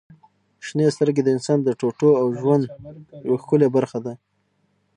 • شنې سترګې د انسان د ټوټو او ژوند یوه ښکلي برخه دي.